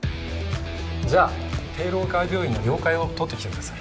じゃあ帝楼会病院の了解を取ってきてください。